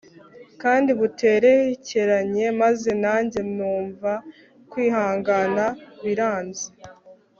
kandi buterekeranye maze nanjye numva kwihangana biranze